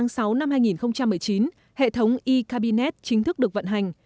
ngày hai mươi bốn tháng sáu năm hai nghìn một mươi chín hệ thống e cabinet chính thức được vận hành